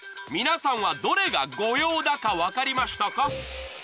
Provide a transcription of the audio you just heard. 皆さんはどれが誤用だか分かりましたか？